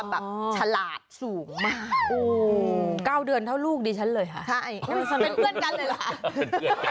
น้องอายุเท่าไหร่หรือคะ